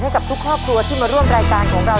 ให้กับทุกครอบครัวที่มาร่วมรายการของเรา